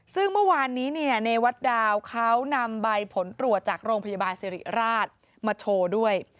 ซึ่งเมื่อวานนี้ในวัดดาวเขานำใบผลตรวจจากโรงพยาบาลสิริราชมาโชว์ด้วย